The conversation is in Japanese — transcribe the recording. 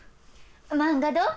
漫画どう？